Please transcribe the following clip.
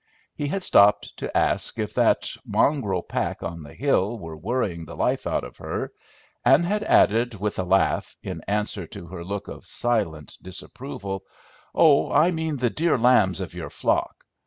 He had stopped to ask if that "mongrel pack on the hill were worrying the life out of her," and had added with a laugh, in answer to her look of silent disapproval, "Oh, I mean the dear lambs of your flock.